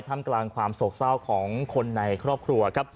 ทำกลางความโศกเศร้าของคนในครอบครัวครับ